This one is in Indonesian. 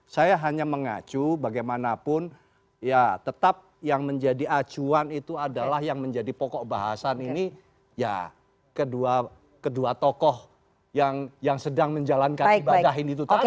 saya hanya mengacu bagaimanapun ya tetap yang menjadi acuan itu adalah yang menjadi pokok bahasan ini ya kedua tokoh yang sedang menjalankan ibadah ini itu tadi